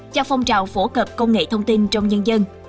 cho phong trào phổ cập công nghệ thông tin trong nhân dân